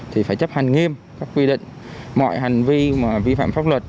thì phải chấp hành nghiêm các quy định mọi hành vi mà vi phạm pháp luật